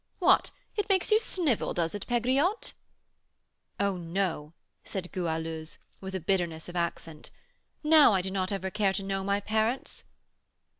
What! it makes you snivel, does it, Pegriotte?" "Oh, no," said Goualeuse, with a bitterness of accent; "now I do not care ever to know my parents."